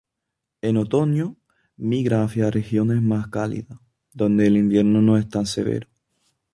En otoño, migra hacia regiones más cálidas, donde el invierno no es tan severo.